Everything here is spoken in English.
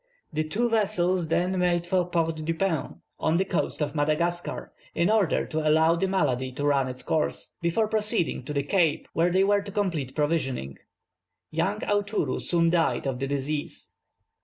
The two vessels then made for Port Dauphin, on the coast of Madagascar, in order to allow the malady to run its course, before proceeding to the Cape, where they were to complete provisioning. Young Aoutourou soon died of the disease.